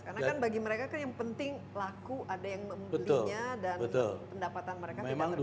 karena kan bagi mereka yang penting laku ada yang membelinya dan pendapatan mereka tidak terganggu